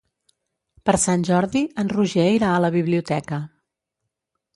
Per Sant Jordi en Roger irà a la biblioteca.